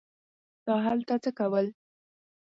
تا هلته څه کول.